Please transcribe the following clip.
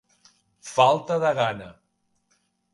Falta de gana.